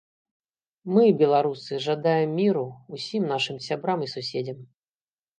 Мы, беларусы, жадаем міру ўсім нашым сябрам і суседзям.